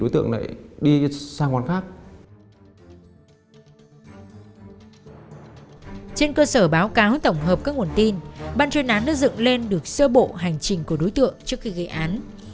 trên cơ sở báo cáo tổng hợp các nguồn tin ban chuyên án đã dựng lên được sơ bộ hành trình của đối tượng trước khi gây án